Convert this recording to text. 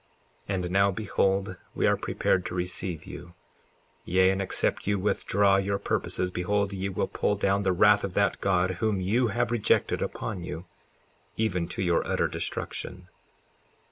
54:9 And now behold, we are prepared to receive you; yea, and except you withdraw your purposes, behold, ye will pull down the wrath of that God whom you have rejected upon you, even to your utter destruction.